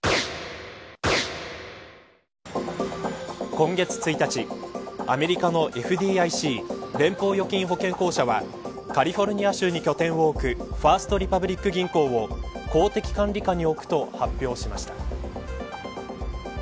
今月１日アメリカのＦＤＩＣ連邦預金保険公社はカリフォル州に拠点を置くファースト・リパブリック銀行を公的管理下に置くと発表しました。